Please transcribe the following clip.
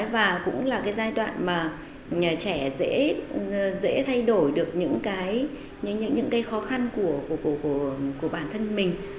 và cũng là cái giai đoạn mà nhà trẻ dễ thay đổi được những cái khó khăn của bản thân mình